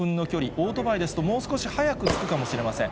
オートバイですと、もう少し早くつくかもしれません。